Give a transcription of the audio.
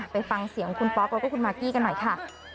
ไปฟังเสียงคุณป๊อกแล้วก็คุณมากกี้กันหน่อยค่ะ